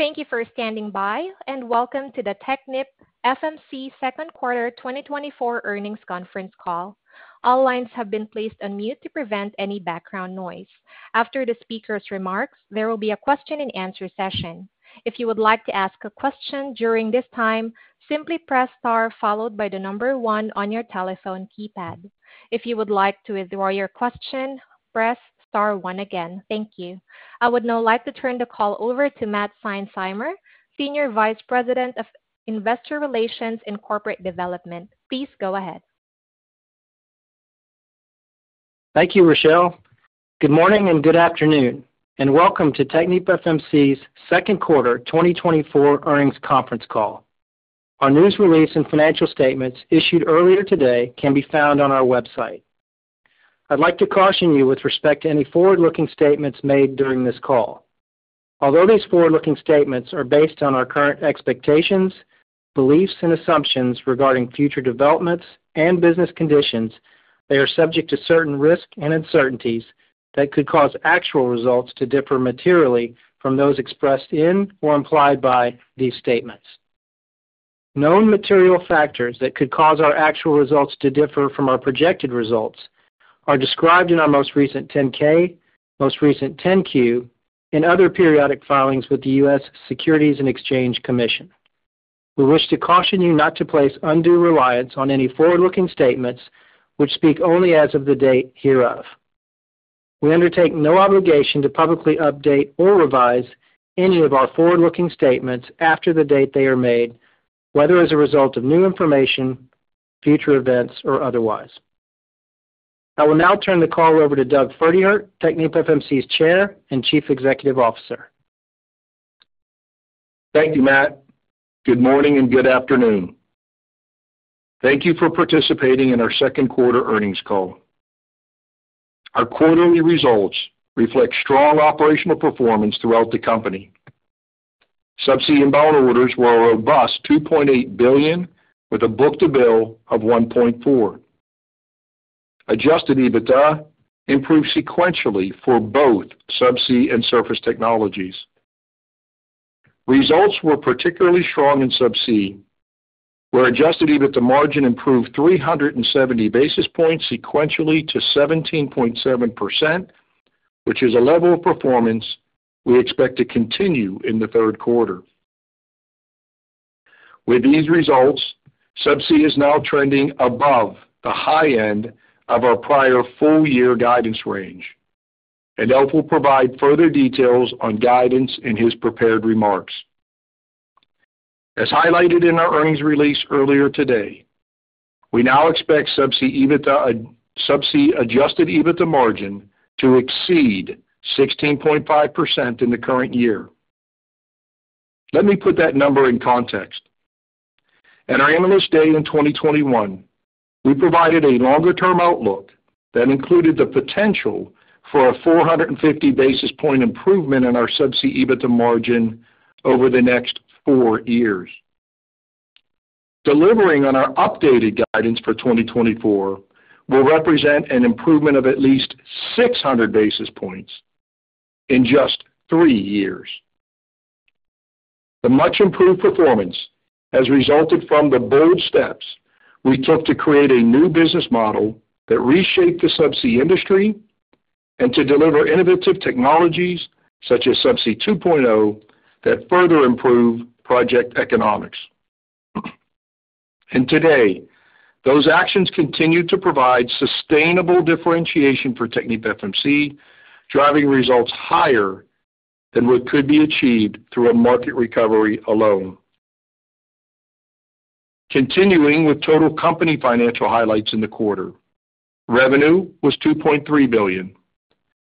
Thank you for standing by, and welcome to the TechnipFMC Second Quarter 2024 Earnings Conference Call. All lines have been placed on mute to prevent any background noise. After the speaker's remarks, there will be a question-and-answer session. If you would like to ask a question during this time, simply press Star followed by the number 1 on your telephone keypad. If you would like to withdraw your question, press Star 1 again. Thank you. I would now like to turn the call over to Matt Seinsheimer, Senior Vice President of Investor Relations and Corporate Development. Please go ahead. Thank you, Rochelle. Good morning and good afternoon, and welcome to TechnipFMC's Second Quarter 2024 Earnings Conference Call. Our news release and financial statements issued earlier today can be found on our website. I'd like to caution you with respect to any forward-looking statements made during this call. Although these forward-looking statements are based on our current expectations, beliefs and assumptions regarding future developments and business conditions, they are subject to certain risks and uncertainties that could cause actual results to differ materially from those expressed in or implied by these statements. Known material factors that could cause our actual results to differ from our projected results are described in our most recent 10-K, most recent 10-Q, and other periodic filings with the U.S. Securities and Exchange Commission. We wish to caution you not to place undue reliance on any forward-looking statements which speak only as of the date hereof. We undertake no obligation to publicly update or revise any of our forward-looking statements after the date they are made, whether as a result of new information, future events, or otherwise. I will now turn the call over to Doug Pferdehirt, TechnipFMC's Chair and Chief Executive Officer. Thank you, Matt. Good morning and good afternoon. Thank you for participating in our second quarter earnings call. Our quarterly results reflect strong operational performance throughout the company. Subsea inbound orders were a robust $2.8 billion, with a book-to-bill of 1.4. Adjusted EBITDA improved sequentially for both Subsea and Surface Technologies. Results were particularly strong in Subsea, where adjusted EBITDA margin improved 370 basis points sequentially to 17.7%, which is a level of performance we expect to continue in the third quarter. With these results, Subsea is now trending above the high end of our prior full-year guidance range, and Doug will provide further details on guidance in his prepared remarks. As highlighted in our earnings release earlier today, we now expect Subsea adjusted EBITDA margin to exceed 16.5% in the current year. Let me put that number in context. At our Analyst Day in 2021, we provided a longer-term outlook that included the potential for a 450 basis point improvement in our Subsea EBITDA margin over the next four years. Delivering on our updated guidance for 2024 will represent an improvement of at least 600 basis points in just three years. The much improved performance has resulted from the bold steps we took to create a new business model that reshaped the subsea industry and to deliver innovative technologies such as Subsea 2.0, that further improve project economics. And today, those actions continue to provide sustainable differentiation for TechnipFMC, driving results higher than what could be achieved through a market recovery alone. Continuing with total company financial highlights in the quarter. Revenue was $2.3 billion.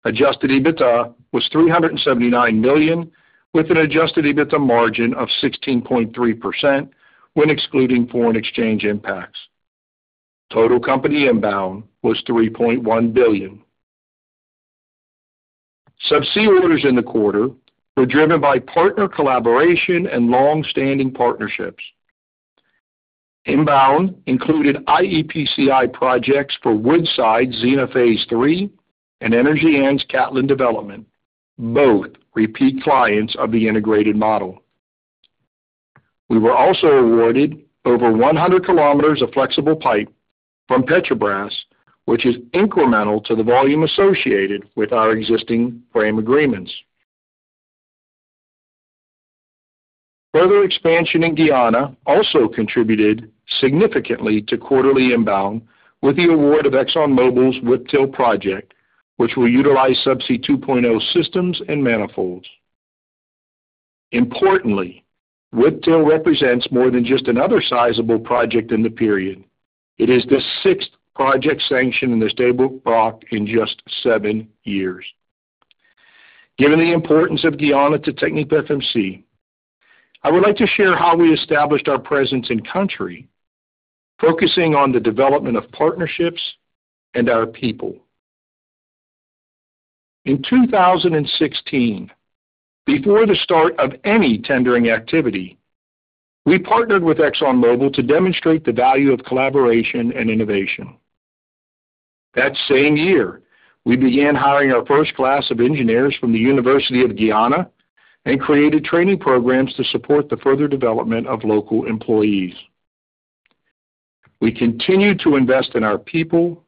Adjusted EBITDA was $379 million, with an adjusted EBITDA margin of 16.3% when excluding foreign exchange impacts. Total company inbound was $3.1 billion. Subsea orders in the quarter were driven by partner collaboration and long-standing partnerships. Inbound included iEPCI projects for Woodside Energy's Xena Phase 3 and Energean's Katlan Development, both repeat clients of the integrated model. We were also awarded over 100 km of flexible pipe from Petrobras, which is incremental to the volume associated with our existing frame agreements. Further expansion in Guyana also contributed significantly to quarterly inbound with the award of ExxonMobil's Whiptail project, which will utilize Subsea 2.0 systems and manifolds. Importantly, Whiptail represents more than just another sizable project in the period. It is the sixth project sanctioned in the Stabroek Block in just seven years. Given the importance of Guyana to TechnipFMC, I would like to share how we established our presence in country, focusing on the development of partnerships and our people. In 2016, before the start of any tendering activity, we partnered with ExxonMobil to demonstrate the value of collaboration and innovation.... That same year, we began hiring our first class of engineers from the University of Guyana and created training programs to support the further development of local employees. We continued to invest in our people,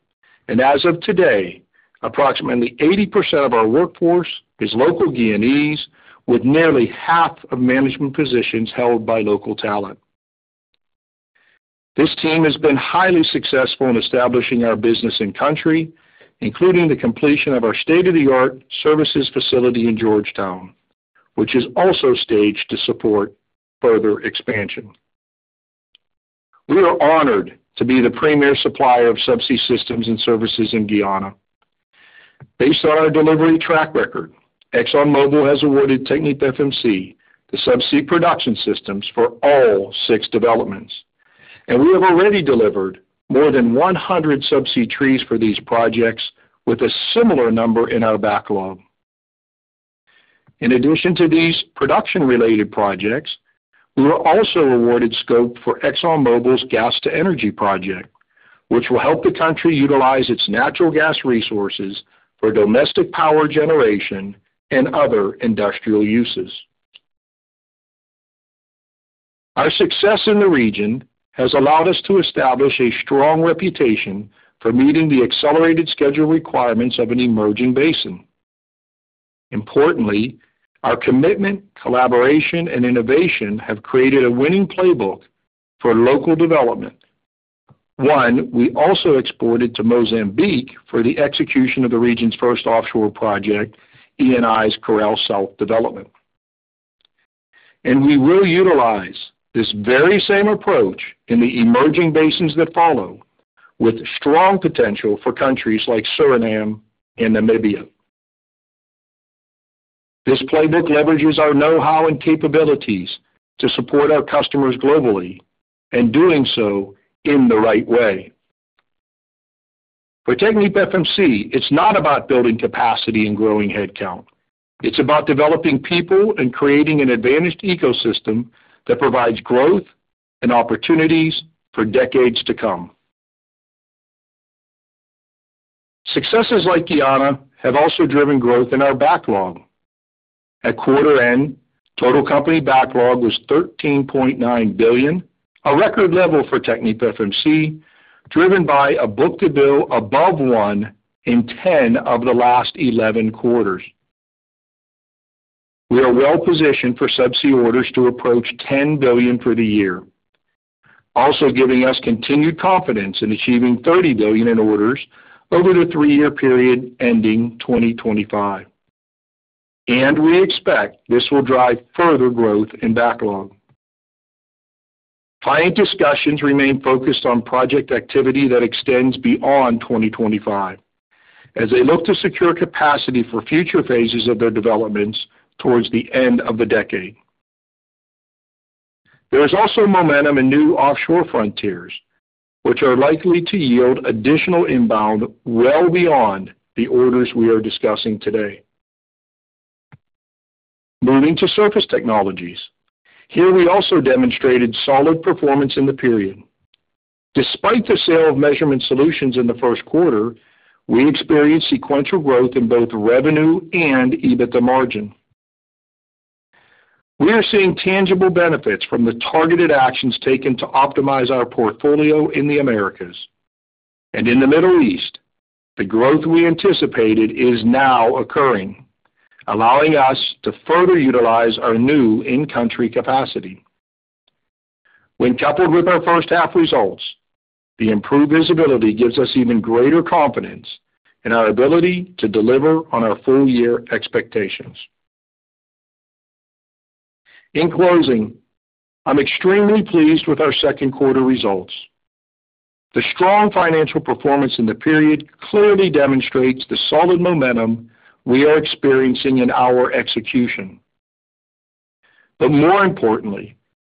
and as of today, approximately 80% of our workforce is local Guyanese, with nearly half of management positions held by local talent. This team has been highly successful in establishing our business in country, including the completion of our state-of-the-art services facility in Georgetown, which is also staged to support further expansion. We are honored to be the premier supplier of subsea systems and services in Guyana. Based on our delivery track record, ExxonMobil has awarded TechnipFMC the subsea production systems for all six developments, and we have already delivered more than 100 subsea trees for these projects, with a similar number in our backlog. In addition to these production-related projects, we were also awarded scope for ExxonMobil's Gas-to-Energy project, which will help the country utilize its natural gas resources for domestic power generation and other industrial uses. Our success in the region has allowed us to establish a strong reputation for meeting the accelerated schedule requirements of an emerging basin. Importantly, our commitment, collaboration, and innovation have created a winning playbook for local development. We also exported to Mozambique for the execution of the region's first offshore project, Eni's Coral South development. We will utilize this very same approach in the emerging basins that follow, with strong potential for countries like Suriname and Namibia. This playbook leverages our know-how and capabilities to support our customers globally, and doing so in the right way. For TechnipFMC, it's not about building capacity and growing headcount. It's about developing people and creating an advantaged ecosystem that provides growth and opportunities for decades to come. Successes like Guyana have also driven growth in our backlog. At quarter end, total company backlog was $13.9 billion, a record level for TechnipFMC, driven by a book-to-bill above 1 in 10 of the last 11 quarters. We are well positioned for Subsea orders to approach $10 billion for the year, also giving us continued confidence in achieving $30 billion in orders over the 3-year period ending 2025. We expect this will drive further growth in backlog. Client discussions remain focused on project activity that extends beyond 2025, as they look to secure capacity for future phases of their developments towards the end of the decade. There is also momentum in new offshore frontiers, which are likely to yield additional inbound well beyond the orders we are discussing today. Moving to Surface Technologies. Here, we also demonstrated solid performance in the period. Despite the sale of Measurement Solutions in the first quarter, we experienced sequential growth in both revenue and EBITDA margin. We are seeing tangible benefits from the targeted actions taken to optimize our portfolio in the Americas, and in the Middle East, the growth we anticipated is now occurring, allowing us to further utilize our new in-country capacity. When coupled with our first half results, the improved visibility gives us even greater confidence in our ability to deliver on our full year expectations. In closing, I'm extremely pleased with our second quarter results. The strong financial performance in the period clearly demonstrates the solid momentum we are experiencing in our execution. But more importantly,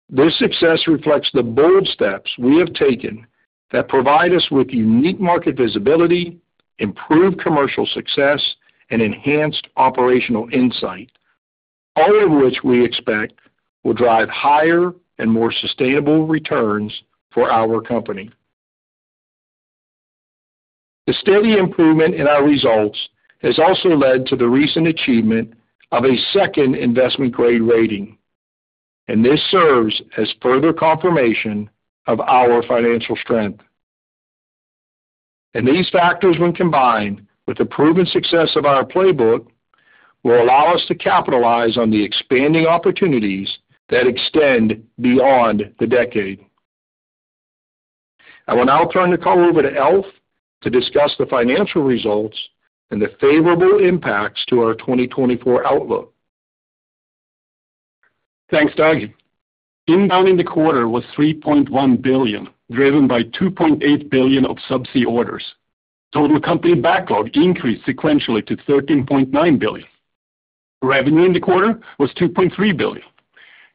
this success reflects the bold steps we have taken that provide us with unique market visibility, improved commercial success, and enhanced operational insight, all of which we expect will drive higher and more sustainable returns for our company. The steady improvement in our results has also led to the recent achievement of a second investment-grade rating, and this serves as further confirmation of our financial strength. These factors, when combined with the proven success of our playbook, will allow us to capitalize on the expanding opportunities that extend beyond the decade. I will now turn the call over to Alf to discuss the financial results and the favorable impacts to our 2024 outlook. Thanks, Doug. Inbound in the quarter was $3.1 billion, driven by $2.8 billion of Subsea orders. Total company backlog increased sequentially to $13.9 billion. Revenue in the quarter was $2.3 billion.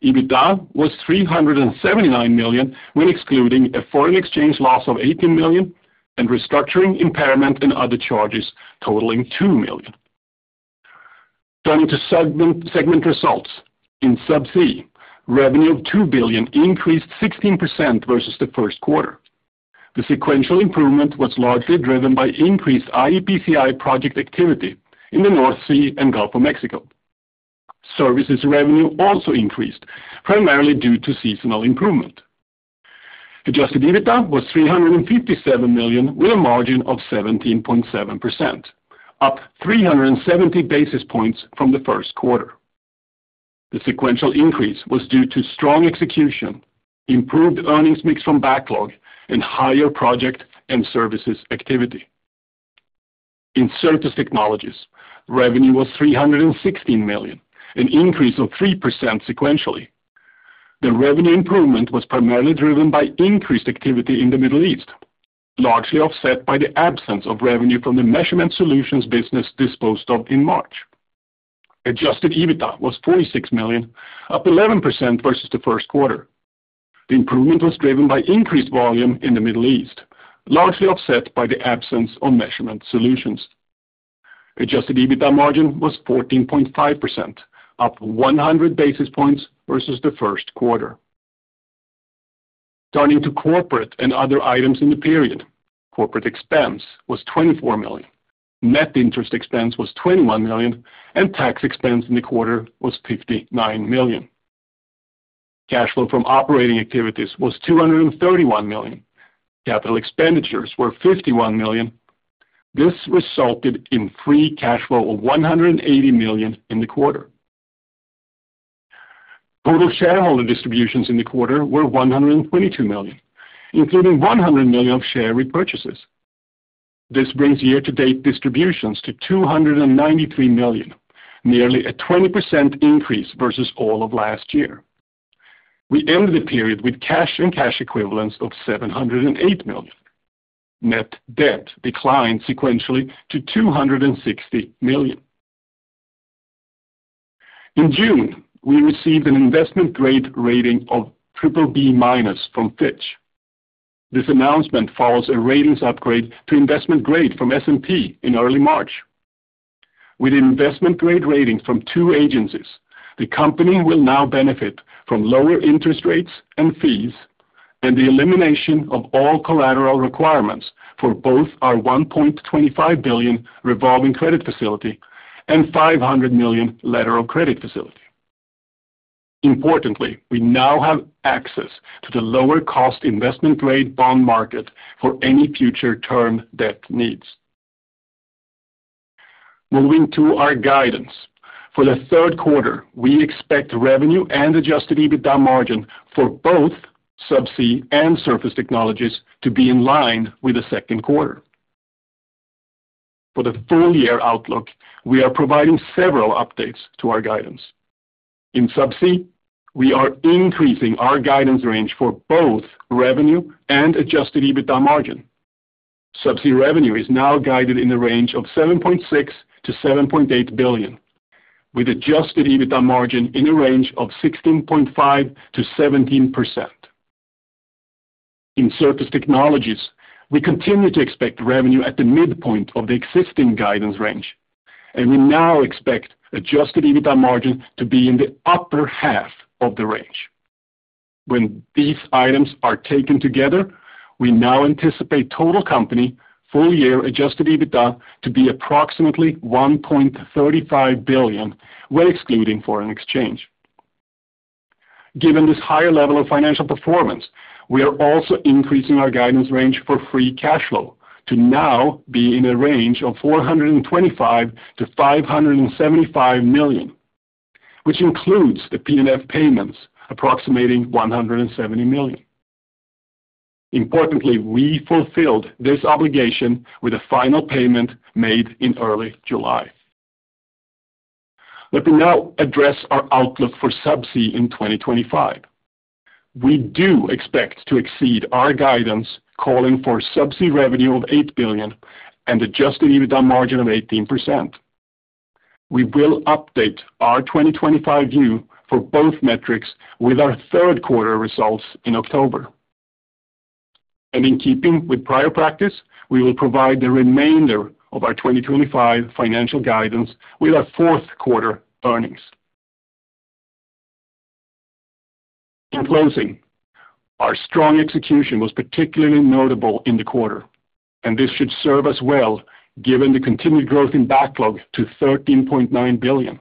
EBITDA was $379 million, when excluding a foreign exchange loss of $18 million and restructuring impairment and other charges totaling $2 million... Turning to segment results. In Subsea, revenue of $2 billion increased 16% versus the first quarter. The sequential improvement was largely driven by increased iEPCI project activity in the North Sea and Gulf of Mexico. Services revenue also increased, primarily due to seasonal improvement. Adjusted EBITDA was $357 million, with a margin of 17.7%, up 370 basis points from the first quarter. The sequential increase was due to strong execution, improved earnings mix from backlog, and higher project and services activity. In Surface Technologies, revenue was $316 million, an increase of 3% sequentially. The revenue improvement was primarily driven by increased activity in the Middle East, largely offset by the absence of revenue from the Measurement Solutions business disposed of in March. Adjusted EBITDA was $46 million, up 11% versus the first quarter. The improvement was driven by increased volume in the Middle East, largely offset by the absence of Measurement Solutions. Adjusted EBITDA margin was 14.5%, up 100 basis points versus the first quarter. Turning to corporate and other items in the period. Corporate expense was $24 million, net interest expense was $21 million, and tax expense in the quarter was $59 million. Cash flow from operating activities was $231 million. Capital expenditures were $51 million. This resulted in free cash flow of $180 million in the quarter. Total shareholder distributions in the quarter were $122 million, including $100 million of share repurchases. This brings year-to-date distributions to $293 million, nearly a 20% increase versus all of last year. We ended the period with cash and cash equivalents of $708 million. Net debt declined sequentially to $260 million. In June, we received an investment grade rating of BBB- from Fitch. This announcement follows a ratings upgrade to investment grade from S&P in early March. With investment grade ratings from two agencies, the company will now benefit from lower interest rates and fees, and the elimination of all collateral requirements for both our $1.25 billion revolving credit facility and $500 million letter of credit facility. Importantly, we now have access to the lower cost investment grade bond market for any future term debt needs. Moving to our guidance. For the third quarter, we expect revenue and Adjusted EBITDA margin for both Subsea and Surface Technologies to be in line with the second quarter. For the full year outlook, we are providing several updates to our guidance. In Subsea, we are increasing our guidance range for both revenue and Adjusted EBITDA margin. Subsea revenue is now guided in the range of $7.6 billion-$7.8 billion, with Adjusted EBITDA margin in a range of 16.5%-17%. In Surface Technologies, we continue to expect revenue at the midpoint of the existing guidance range, and we now expect adjusted EBITDA margin to be in the upper half of the range. When these items are taken together, we now anticipate total company full-year adjusted EBITDA to be approximately $1.35 billion, when excluding foreign exchange. Given this higher level of financial performance, we are also increasing our guidance range for free cash flow to now be in a range of $425 million-$575 million, which includes the PNF payments, approximating $170 million. Importantly, we fulfilled this obligation with a final payment made in early July. Let me now address our outlook for Subsea in 2025. We do expect to exceed our guidance, calling for Subsea revenue of $8 billion and adjusted EBITDA margin of 18%. We will update our 2025 view for both metrics with our third quarter results in October. In keeping with prior practice, we will provide the remainder of our 2025 financial guidance with our fourth quarter earnings. In closing, our strong execution was particularly notable in the quarter, and this should serve us well, given the continued growth in backlog to $13.9 billion,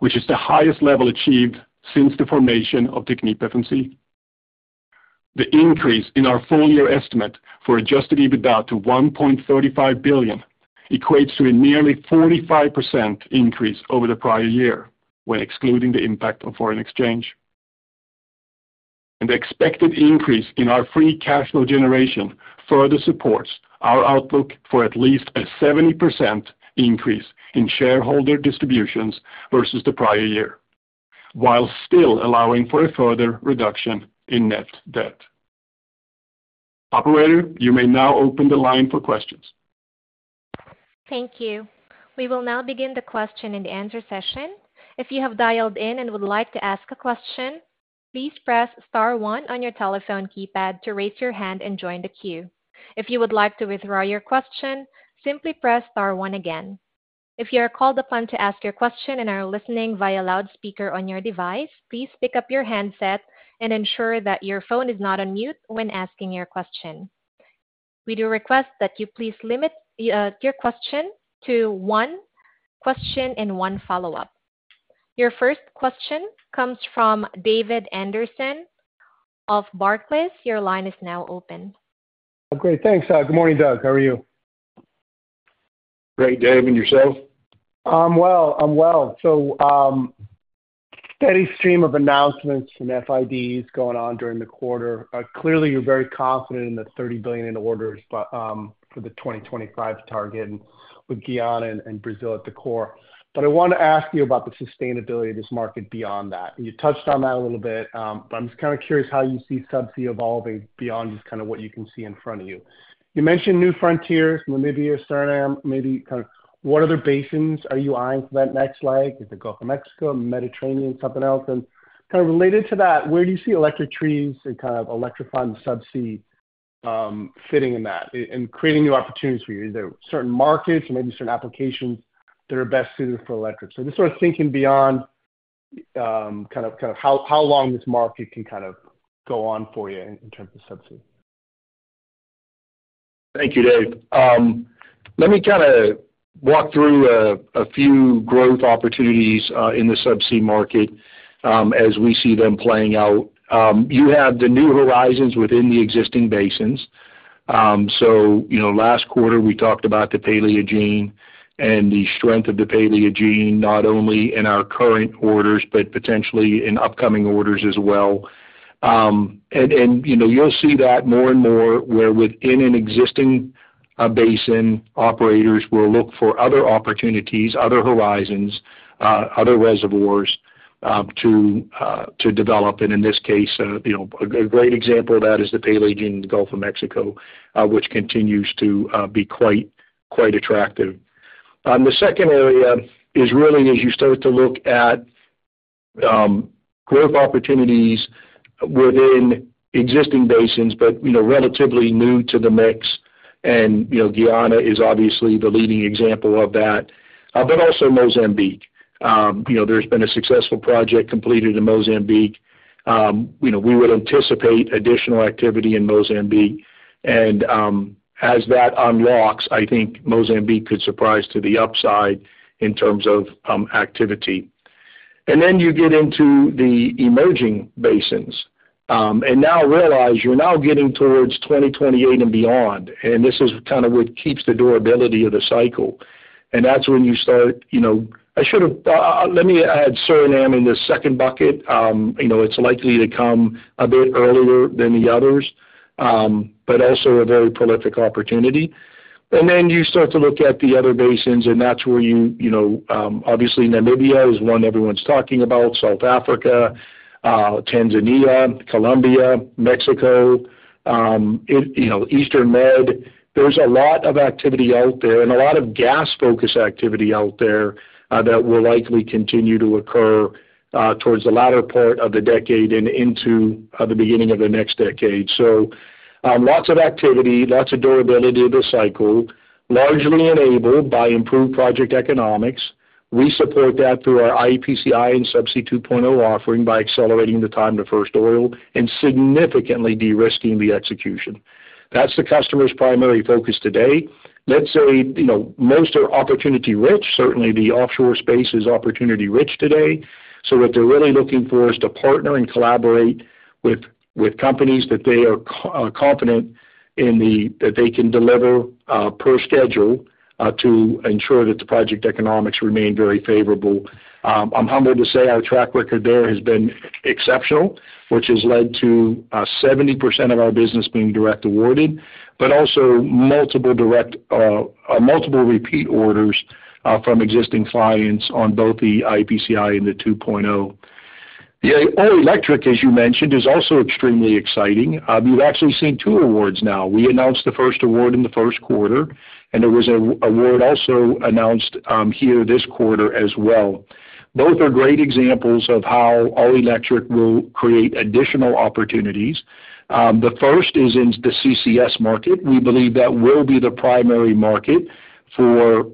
which is the highest level achieved since the formation of TechnipFMC. The increase in our full year estimate for adjusted EBITDA to $1.35 billion equates to a nearly 45% increase over the prior year, when excluding the impact of foreign exchange. The expected increase in our free cash flow generation further supports our outlook for at least a 70% increase in shareholder distributions versus the prior year, while still allowing for a further reduction in net debt. Operator, you may now open the line for questions. Thank you. We will now begin the question and answer session. If you have dialed in and would like to ask a question. Please press star one on your telephone keypad to raise your hand and join the queue. If you would like to withdraw your question, simply press star one again. If you are called upon to ask your question and are listening via loudspeaker on your device, please pick up your handset and ensure that your phone is not on mute when asking your question. We do request that you please limit your question to one question and one follow-up. Your first question comes from David Anderson of Barclays. Your line is now open. Great. Thanks. Good morning, Doug. How are you? Great, Dave, and yourself? I'm well. I'm well. So, steady stream of announcements from FIDs going on during the quarter. Clearly, you're very confident in the $30 billion in orders, but, for the 2025 target with Guyana and, and Brazil at the core. But I want to ask you about the sustainability of this market beyond that. You touched on that a little bit, but I'm just kind of curious how you see subsea evolving beyond just kind of what you can see in front of you. You mentioned new frontiers, Namibia, Suriname, maybe kind of what other basins are you eyeing for that next leg? Is it Gulf of Mexico, Mediterranean, something else? And kind of related to that, where do you see electric trees and kind of electrifying the subsea, fitting in that and, and creating new opportunities for you? Is there certain markets or maybe certain applications that are best suited for electric? So just sort of thinking beyond, kind of how long this market can kind of go on for you in terms of subsea. Thank you, Dave. Let me kind of walk through a few growth opportunities in the subsea market as we see them playing out. You have the new horizons within the existing basins. So, you know, last quarter, we talked about the Paleogene and the strength of the Paleogene, not only in our current orders, but potentially in upcoming orders as well. And you know, you'll see that more and more where within an existing basin, operators will look for other opportunities, other horizons, other reservoirs to develop. And in this case, you know, a great example of that is the Paleogene in the Gulf of Mexico, which continues to be quite attractive. The second area is really as you start to look at, growth opportunities within existing basins, but, you know, relatively new to the mix, and, you know, Guyana is obviously the leading example of that, but also Mozambique. You know, there's been a successful project completed in Mozambique. You know, we would anticipate additional activity in Mozambique, and, as that unlocks, I think Mozambique could surprise to the upside in terms of, activity. And then you get into the emerging basins, and now realize you're now getting towards 2028 and beyond. And this is kind of what keeps the durability of the cycle. And that's when you start, you know—I should have, let me add Suriname in the second bucket. You know, it's likely to come a bit earlier than the others, but also a very prolific opportunity. And then you start to look at the other basins, and that's where you, you know, obviously, Namibia is one everyone's talking about, South Africa, Tanzania, Colombia, Mexico, it, you know, Eastern Med. There's a lot of activity out there and a lot of gas-focused activity out there, that will likely continue to occur, towards the latter part of the decade and into, the beginning of the next decade. So, lots of activity, lots of durability of the cycle, largely enabled by improved project economics. We support that through our iEPCI and Subsea 2.0 offering by accelerating the time to first oil and significantly de-risking the execution. That's the customer's primary focus today. Let's say, you know, most are opportunity-rich. Certainly, the offshore space is opportunity-rich today. So what they're really looking for is to partner and collaborate with companies that they are confident in that they can deliver per schedule to ensure that the project economics remain very favorable. I'm humbled to say our track record there has been exceptional, which has led to 70% of our business being direct awarded, but also multiple direct, multiple repeat orders from existing clients on both the iEPCI and the 2.0. The all-electric, as you mentioned, is also extremely exciting. You've actually seen two awards now. We announced the first award in the first quarter, and there was an award also announced here this quarter as well. Both are great examples of how all-electric will create additional opportunities. The first is in the CCS market. We believe that will be the primary market for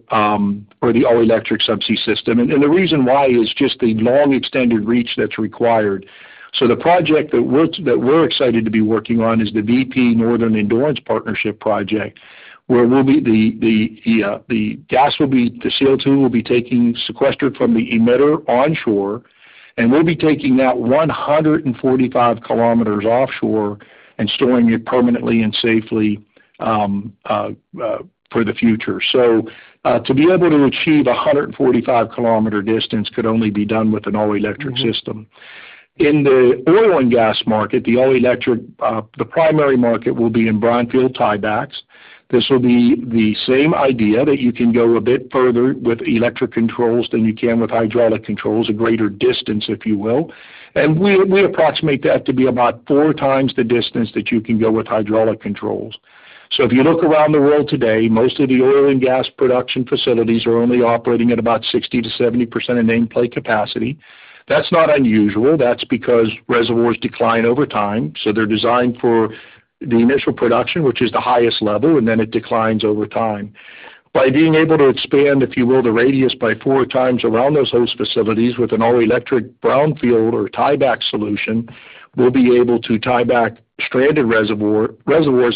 the all-electric subsea system. The reason why is just the long extended reach that's required. So the project that we're excited to be working on is the BP Northern Endurance Partnership project, where we'll be the CO2 will be taking sequestered from the emitter onshore, and we'll be taking that 145 kilometers offshore and storing it permanently and safely for the future. So to be able to achieve a 145-kilometer distance could only be done with an all-electric system. In the oil and gas market, the all-electric the primary market will be in brownfield tiebacks. This will be the same idea, that you can go a bit further with electric controls than you can with hydraulic controls, a greater distance, if you will. And we, we approximate that to be about four times the distance that you can go with hydraulic controls.... So if you look around the world today, most of the oil and gas production facilities are only operating at about 60%-70% of nameplate capacity. That's not unusual. That's because reservoirs decline over time, so they're designed for the initial production, which is the highest level, and then it declines over time. By being able to expand, if you will, the radius by four times around those host facilities with an all-electric brownfield or tieback solution, we'll be able to tie back stranded reservoirs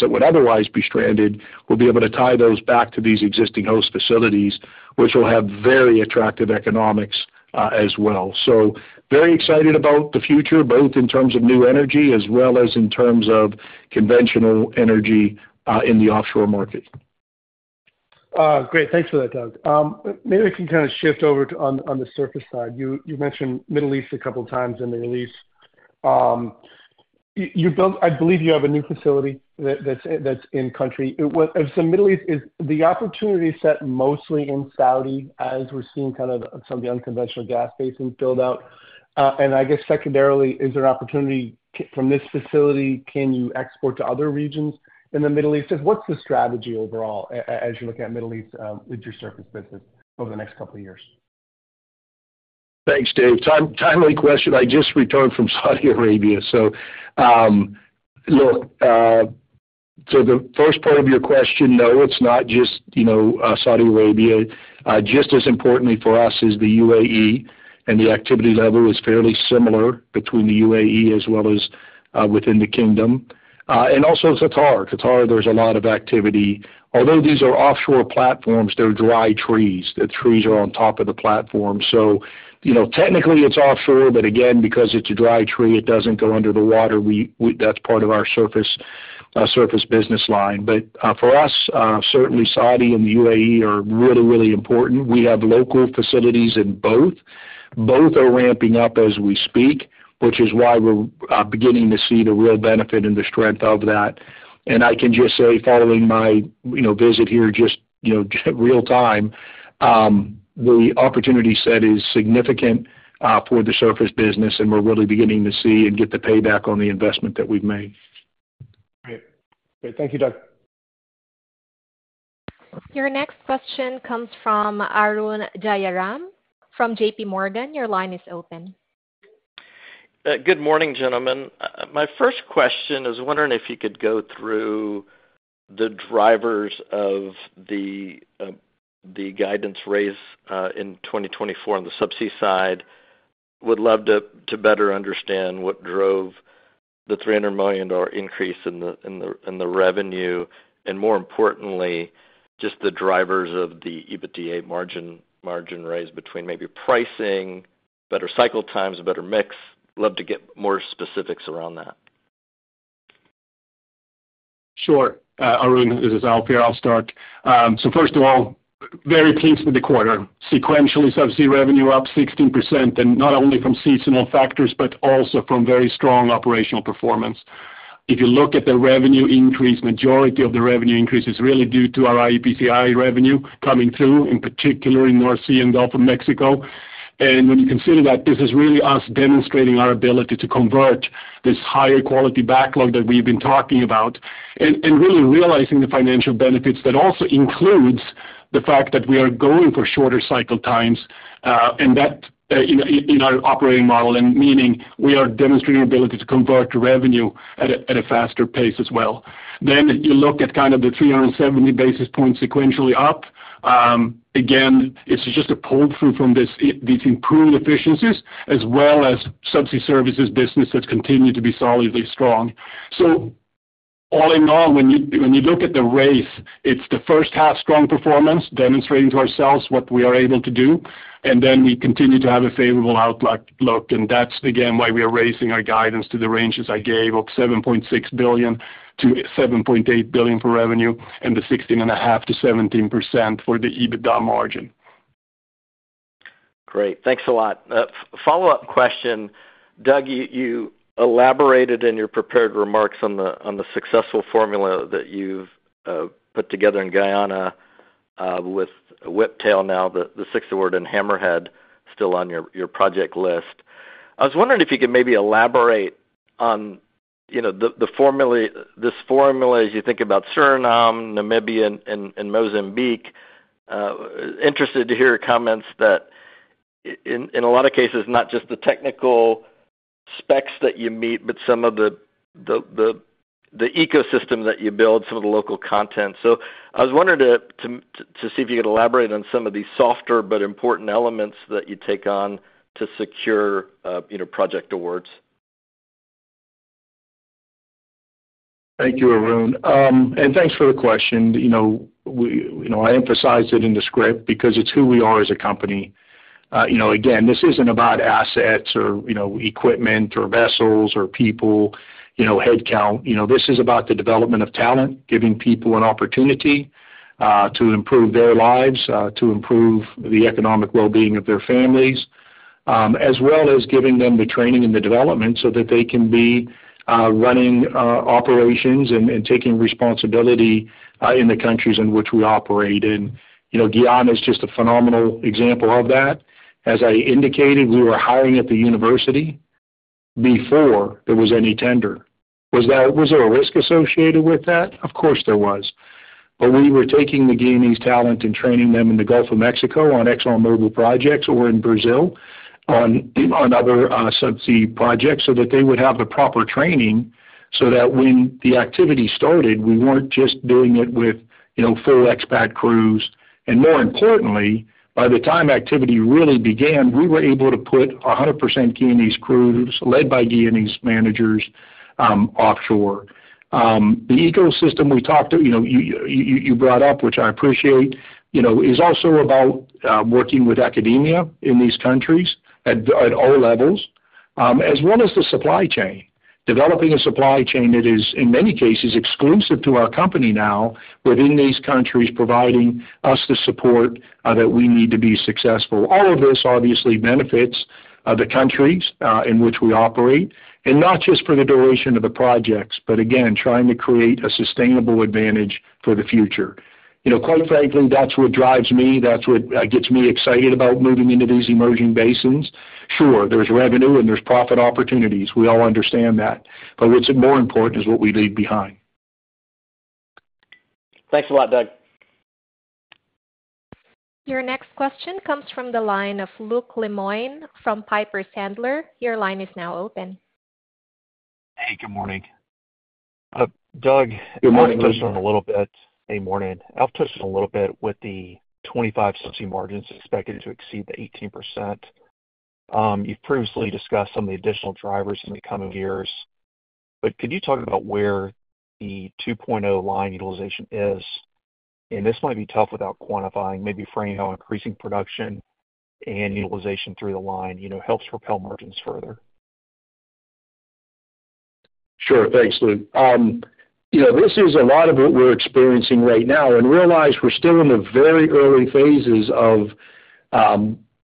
that would otherwise be stranded. We'll be able to tie those back to these existing host facilities, which will have very attractive economics, as well. So very excited about the future, both in terms of new energy as well as in terms of conventional energy, in the offshore market. Great. Thanks for that, Doug. Maybe I can kind of shift over to the surface side. You mentioned Middle East a couple of times in the release. You built—I believe you have a new facility that's in country. So Middle East, is the opportunity set mostly in Saudi as we're seeing kind of some of the unconventional gas basin build out? And I guess secondarily, is there opportunity from this facility, can you export to other regions in the Middle East? Just what's the strategy overall, as you look at Middle East, with your surface business over the next couple of years? Thanks, Dave. Timely question. I just returned from Saudi Arabia. So, look, so the first part of your question, no, it's not just, you know, Saudi Arabia. Just as importantly for us is the UAE, and the activity level is fairly similar between the UAE as well as within the kingdom. And also Qatar. Qatar, there's a lot of activity. Although these are offshore platforms, they're dry trees. The trees are on top of the platform. So you know, technically, it's offshore, but again, because it's a dry tree, it doesn't go under the water. That's part of our surface, surface business line. But, for us, certainly Saudi and the UAE are really, really important. We have local facilities in both. Both are ramping up as we speak, which is why we're beginning to see the real benefit and the strength of that. And I can just say, following my, you know, visit here, just, you know, real time, the opportunity set is significant for the surface business, and we're really beginning to see and get the payback on the investment that we've made. Great. Great. Thank you, Doug. Your next question comes from Arun Jayaram from J.P. Morgan. Your line is open. Good morning, gentlemen. My first question, I was wondering if you could go through the drivers of the guidance raise in 2024 on the subsea side. Would love to better understand what drove the $300 million increase in the revenue, and more importantly, just the drivers of the EBITDA margin raise between maybe pricing, better cycle times, better mix. Love to get more specifics around that. Sure, Arun, this is Alf here. I'll start. So first of all, very pleased with the quarter. Sequentially, subsea revenue up 16%, and not only from seasonal factors, but also from very strong operational performance. If you look at the revenue increase, majority of the revenue increase is really due to our iEPCI revenue coming through, in particular in North Sea and Gulf of Mexico. When you consider that, this is really us demonstrating our ability to convert this higher quality backlog that we've been talking about, and really realizing the financial benefits, that also includes the fact that we are going for shorter cycle times, and that, in our operating model, and meaning we are demonstrating our ability to convert to revenue at a faster pace as well. Then, you look at kind of the 370 basis points sequentially up. Again, it's just a pull-through from this, these improved efficiencies, as well as Subsea Services business that's continued to be solidly strong. So all in all, when you, when you look at the rate, it's the first half strong performance, demonstrating to ourselves what we are able to do, and then we continue to have a favorable outlook. And that's, again, why we are raising our guidance to the ranges I gave of $7.6 billion-$7.8 billion for revenue and the 16.5%-17% for the EBITDA margin. Great. Thanks a lot. Follow-up question. Doug, you elaborated in your prepared remarks on the successful formula that you've put together in Guyana with Whiptail now, the sixth award and Hammerhead still on your project list. I was wondering if you could maybe elaborate on, you know, the formula as you think about Suriname, Namibia, and Mozambique. Interested to hear your comments that in a lot of cases, not just the technical specs that you meet, but some of the ecosystem that you build, some of the local content. So I was wondering to see if you could elaborate on some of these softer but important elements that you take on to secure, you know, project awards. Thank you, Arun. And thanks for the question. You know, we, you know, I emphasized it in the script because it's who we are as a company. You know, again, this isn't about assets or, you know, equipment or vessels or people, you know, headcount. You know, this is about the development of talent, giving people an opportunity, to improve their lives, to improve the economic well-being of their families, as well as giving them the training and the development so that they can be, running, operations and, and taking responsibility, in the countries in which we operate. And, you know, Guyana is just a phenomenal example of that. As I indicated, we were hiring at the university... before there was any tender. Was that, was there a risk associated with that? Of course, there was. But we were taking the Guyanese talent and training them in the Gulf of Mexico on ExxonMobil projects or in Brazil on other subsea projects so that they would have the proper training, so that when the activity started, we weren't just doing it with, you know, full expat crews. And more importantly, by the time activity really began, we were able to put 100% Guyanese crews, led by Guyanese managers, offshore. The ecosystem we talked to, you know, you brought up, which I appreciate, you know, is also about working with academia in these countries at all levels, as well as the supply chain. Developing a supply chain that is, in many cases, exclusive to our company now within these countries, providing us the support that we need to be successful. All of this obviously benefits the countries in which we operate, and not just for the duration of the projects, but again, trying to create a sustainable advantage for the future. You know, quite frankly, that's what drives me. That's what gets me excited about moving into these emerging basins. Sure, there's revenue and there's profit opportunities. We all understand that. But what's more important is what we leave behind. Thanks a lot, Doug. Your next question comes from the line of Luke Lemoine from Piper Sandler. Your line is now open. Hey, good morning. Doug- Good morning, Luke. Hey, morning. I'll touch on a little bit with the 25% Subsea margins expected to exceed the 18%. You've previously discussed some of the additional drivers in the coming years. But could you talk about where the 2.0 line utilization is? And this might be tough without quantifying, maybe framing how increasing production and utilization through the line, you know, helps propel margins further. Sure. Thanks, Luke. You know, this is a lot of what we're experiencing right now, and realize we're still in the very early phases of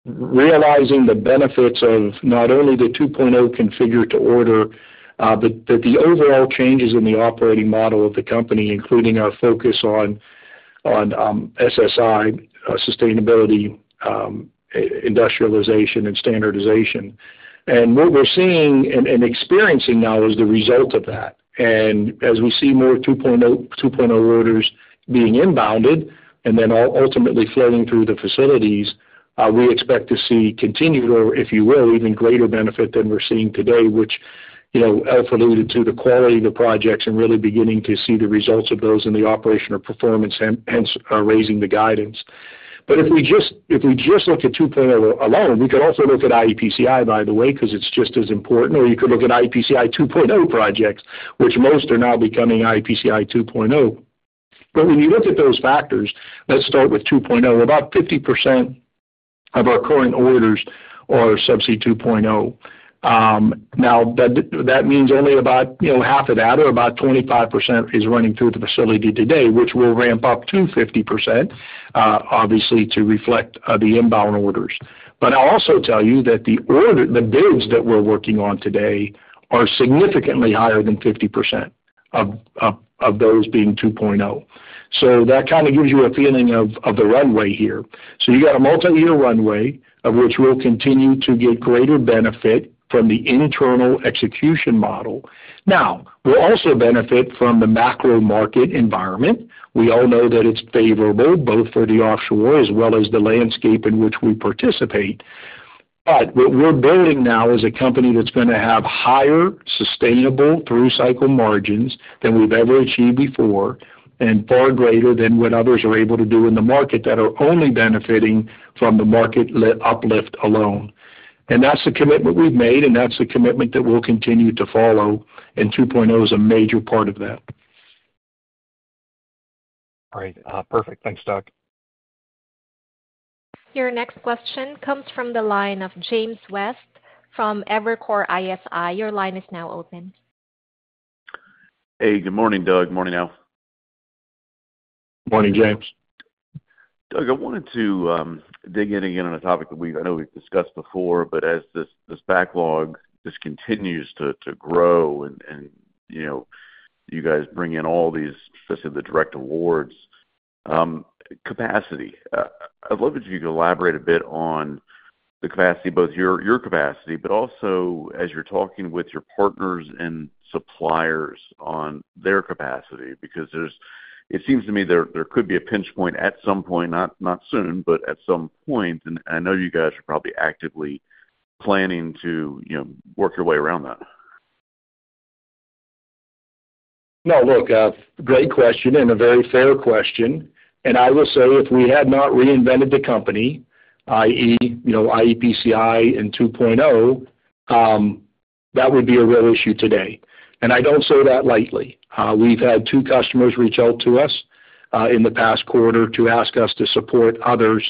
realizing the benefits of not only the 2.0 configure-to-order, but the overall changes in the operating model of the company, including our focus on SSI, sustainability, industrialization and standardization. And what we're seeing and experiencing now is the result of that. And as we see more 2.0 orders being inbounded and then ultimately flowing through the facilities, we expect to see continued, or if you will, even greater benefit than we're seeing today, which, you know, Alf alluded to the quality of the projects and really beginning to see the results of those in the operational performance, hence, are raising the guidance. But if we just look at 2.0 alone, we could also look at iEPCI, by the way, 'cause it's just as important. Or you could look at iEPCI 2.0 projects, which most are now becoming iEPCI 2.0. But when you look at those factors, let's start with 2.0. About 50% of our current orders are Subsea 2.0. Now, that means only about, you know, half of that or about 25% is running through the facility today, which will ramp up to 50%, obviously, to reflect the inbound orders. But I'll also tell you that the orders, the bids that we're working on today are significantly higher than 50% of those being 2.0. So that kind of gives you a feeling of the runway here. So you got a multi-year runway, of which we'll continue to get greater benefit from the internal execution model. Now, we'll also benefit from the macro market environment. We all know that it's favorable, both for the offshore as well as the landscape in which we participate. But what we're building now is a company that's gonna have higher, sustainable through-cycle margins than we've ever achieved before, and far greater than what others are able to do in the market that are only benefiting from the market uplift alone. And that's the commitment we've made, and that's the commitment that we'll continue to follow, and 2.0 is a major part of that. All right. Perfect. Thanks, Doug. Your next question comes from the line of James West from Evercore ISI. Your line is now open. Hey, good morning, Doug. Morning, Alf. Morning, James. Doug, I wanted to dig in again on a topic that we've. I know we've discussed before, but as this, this backlog just continues to, to grow and, and, you know, you guys bring in all these, let's say, the direct awards, capacity. I'd love if you could elaborate a bit on the capacity, both your, your capacity, but also as you're talking with your partners and suppliers on their capacity. Because there's. It seems to me there, there could be a pinch point at some point, not, not soon, but at some point, and I know you guys are probably actively planning to, you know, work your way around that. No, look, great question and a very fair question. And I will say, if we had not reinvented the company, i.e., you know, iEPCI and 2.0, that would be a real issue today. And I don't say that lightly. We've had two customers reach out to us, in the past quarter to ask us to support others,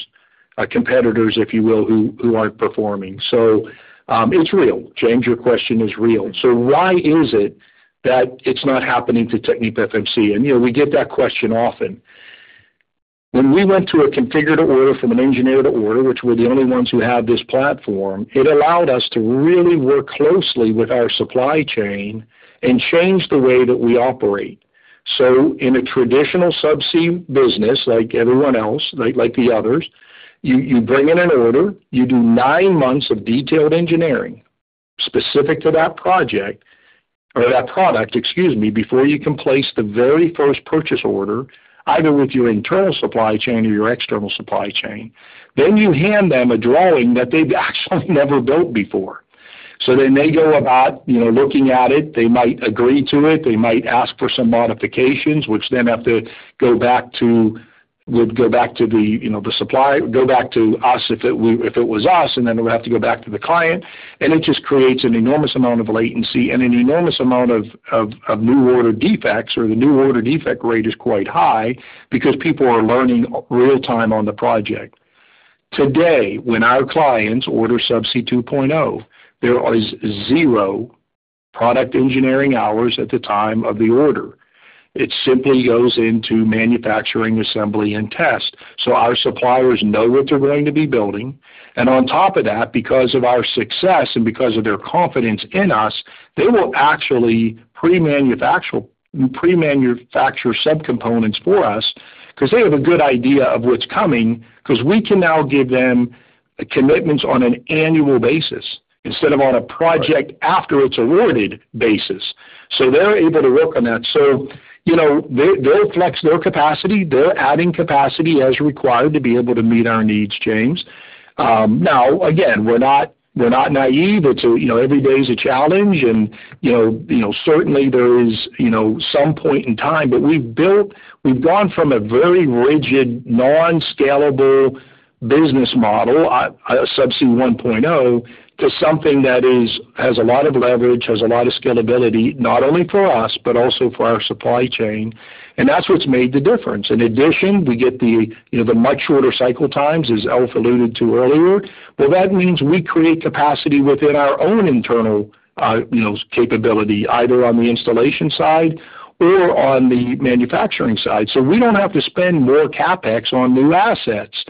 competitors, if you will, who, who aren't performing. So, it's real, James. Your question is real. So why is it that it's not happening to TechnipFMC? And, you know, we get that question often. When we went to a configured order from an engineered order, which we're the only ones who have this platform, it allowed us to really work closely with our supply chain and change the way that we operate. So in a traditional subsea business, like everyone else, like the others, you bring in an order, you do nine months of detailed engineering, specific to that project or that product, excuse me, before you can place the very first purchase order, either with your internal supply chain or your external supply chain. Then you hand them a drawing that they've actually never built before. So they may go about, you know, looking at it. They might agree to it. They might ask for some modifications, which then have to go back to the supplier, go back to us, if it was us, and then it would have to go back to the client. It just creates an enormous amount of latency and an enormous amount of new order defects, or the new order defect rate is quite high because people are learning real time on the project. Today, when our clients order Subsea 2.0, there is zero product engineering hours at the time of the order. It simply goes into manufacturing, assembly, and test. So our suppliers know what they're going to be building. And on top of that, because of our success and because of their confidence in us, they will actually premanufacture subcomponents for us because they have a good idea of what's coming, because we can now give them commitments on an annual basis instead of on a project after it's awarded basis. So they're able to work on that. So, you know, they, they'll flex their capacity. They're adding capacity as required to be able to meet our needs, James. Now, again, we're not, we're not naive to, you know, every day is a challenge, and, you know, you know, certainly there is, you know, some point in time. But we've built. We've gone from a very rigid, nonscalable business model, Subsea 1.0, to something that is, has a lot of leverage, has a lot of scalability, not only for us, but also for our supply chain, and that's what's made the difference. In addition, we get the, you know, the much shorter cycle times, as Alf alluded to earlier. Well, that means we create capacity within our own internal, you know, capability, either on the installation side or on the manufacturing side. So we don't have to spend more CapEx on new assets.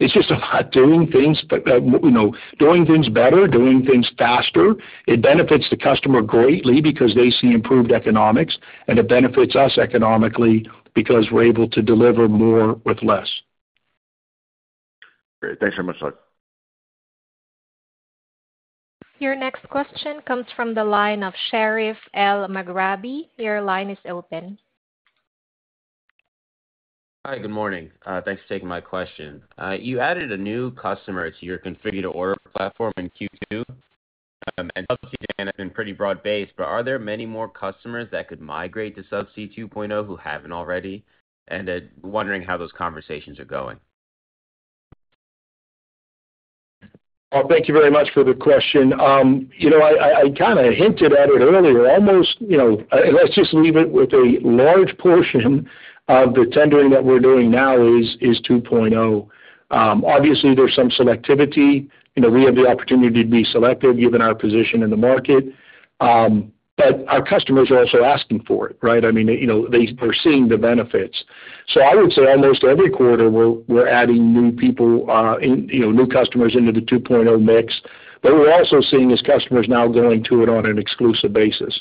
It's just about doing things, you know, doing things better, doing things faster. It benefits the customer greatly because they see improved economics, and it benefits us economically because we're able to deliver more with less. Great. Thanks very much, Doug. Your next question comes from the line of Sherif Elmaghrabi. Your line is open. Hi, good morning. Thanks for taking my question. You added a new customer to your configure-to-order platform in Q2, and Subsea has been pretty broad-based, but are there many more customers that could migrate to Subsea 2.0 who haven't already? And wondering how those conversations are going? Well, thank you very much for the question. You know, I kind of hinted at it earlier, almost, you know, let's just leave it with a large portion of the tendering that we're doing now is 2.0. Obviously, there's some selectivity. You know, we have the opportunity to be selective given our position in the market. But our customers are also asking for it, right? I mean, you know, they're seeing the benefits. So I would say almost every quarter, we're adding new people, in, you know, new customers into the 2.0 mix. But we're also seeing these customers now going to it on an exclusive basis.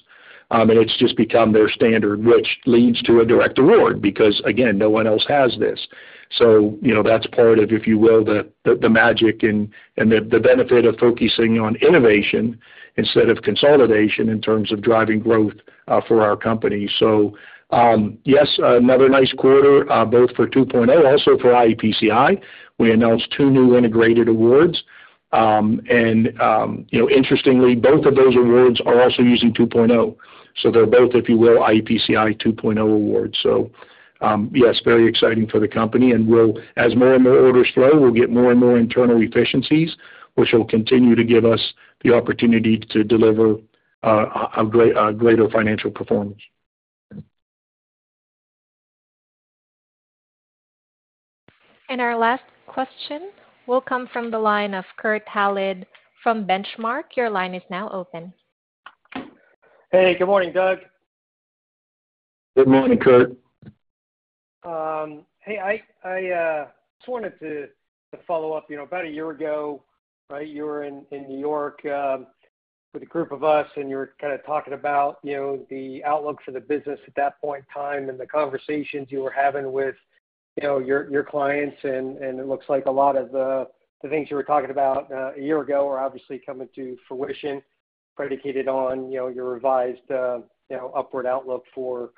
And it's just become their standard, which leads to a direct award, because, again, no one else has this. So, you know, that's part of, if you will, the magic and the benefit of focusing on innovation instead of consolidation in terms of driving growth for our company. So, yes, another nice quarter both for 2.0, also for iEPCI. We announced 2 new integrated awards. And you know, interestingly, both of those awards are also using 2.0, so they're both, if you will, iEPCI 2.0 awards. So, yes, very exciting for the company, and we'll, as more and more orders flow, we'll get more and more internal efficiencies, which will continue to give us the opportunity to deliver a greater financial performance. Our last question will come from the line of Kurt Hallead from Benchmark. Your line is now open. Hey, good morning, Doug. Good morning, Kurt. Hey, I just wanted to follow up. You know, about a year ago, right, you were in New York with a group of us, and you were kind of talking about, you know, the outlook for the business at that point in time and the conversations you were having with, you know, your clients, and it looks like a lot of the things you were talking about a year ago are obviously coming to fruition, predicated on, you know, your revised, you know, upward outlook for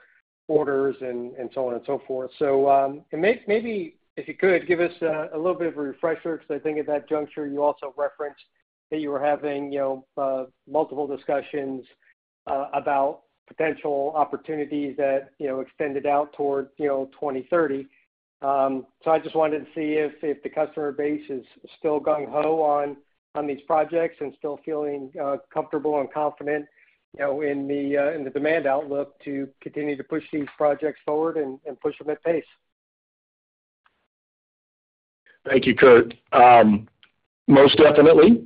orders and so on and so forth. So, maybe if you could give us a little bit of a refresher, because I think at that juncture, you also referenced that you were having, you know, multiple discussions about potential opportunities that, you know, extended out towards, you know, 2030. So I just wanted to see if the customer base is still gung ho on these projects and still feeling comfortable and confident, you know, in the demand outlook to continue to push these projects forward and push them at pace. Thank you, Kurt. Most definitely.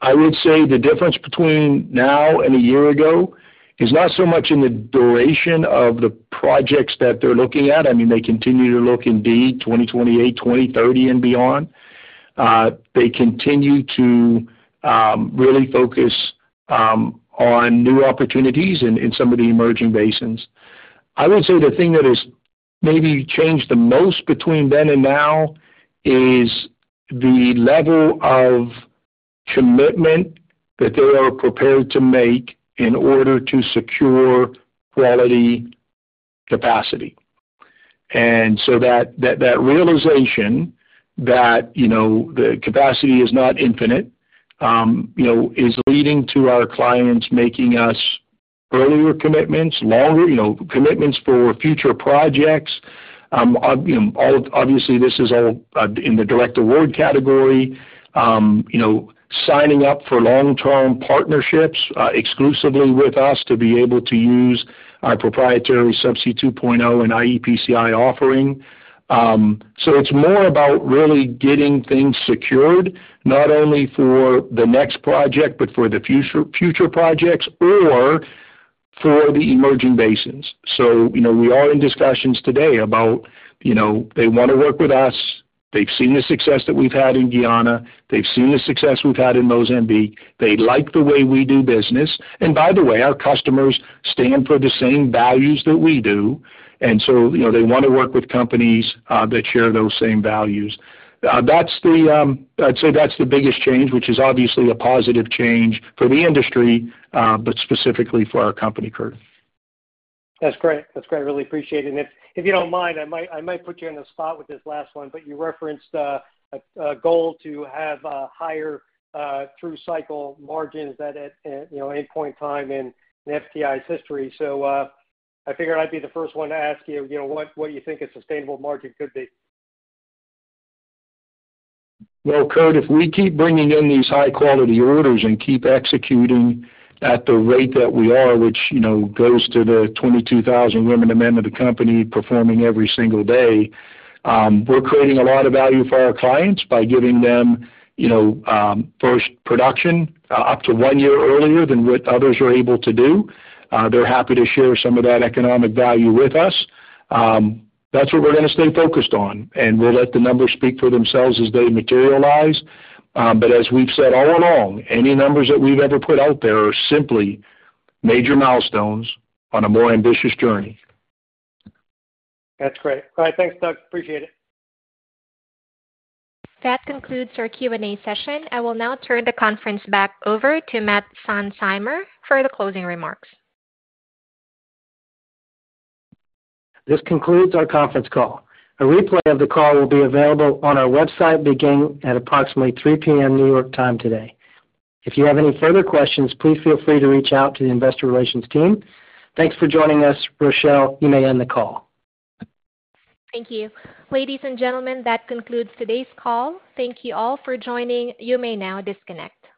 I would say the difference between now and a year ago is not so much in the duration of the projects that they're looking at. I mean, they continue to look indeed, 2028, 2030 and beyond. They continue to really focus on new opportunities in some of the emerging basins. I would say the thing that has maybe changed the most between then and now is the level of commitment that they are prepared to make in order to secure quality capacity. And so that realization that, you know, the capacity is not infinite, you know, is leading to our clients making earlier commitments, longer commitments for future projects. Obviously, this is all in the direct award category, you know, signing up for long-term partnerships exclusively with us to be able to use our proprietary Subsea 2.0 and iEPCI offering. So, it's more about really getting things secured, not only for the next project, but for the future projects or for the emerging basins. So, you know, we are in discussions today about, you know, they wanna work with us. They've seen the success that we've had in Guyana. They've seen the success we've had in Mozambique. They like the way we do business. And by the way, our customers stand for the same values that we do, and so, you know, they wanna work with companies that share those same values. That's the, I'd say, that's the biggest change, which is obviously a positive change for the industry, but specifically for our company, Kurt. That's great. That's great. I really appreciate it. And if you don't mind, I might put you on the spot with this last one, but you referenced a goal to have higher through cycle margins that at you know any point in time in FTI's history. So I figured I'd be the first one to ask you you know what you think a sustainable margin could be? Well, Kurt, if we keep bringing in these high quality orders and keep executing at the rate that we are, which, you know, goes to the 22,000 women and men of the company performing every single day, we're creating a lot of value for our clients by giving them, you know, first production up to one year earlier than what others are able to do. They're happy to share some of that economic value with us. That's what we're gonna stay focused on, and we'll let the numbers speak for themselves as they materialize. But as we've said all along, any numbers that we've ever put out there are simply major milestones on a more ambitious journey. That's great. All right, thanks, Doug. Appreciate it. That concludes our Q&A session. I will now turn the conference back over to Matt Seinsheimer for the closing remarks. This concludes our conference call. A replay of the call will be available on our website beginning at approximately 3:00 P.M. New York time today. If you have any further questions, please feel free to reach out to the investor relations team. Thanks for joining us. Rochelle, you may end the call. Thank you. Ladies and gentlemen, that concludes today's call. Thank you all for joining. You may now disconnect.